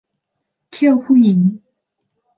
เที่ยวผู้หญิง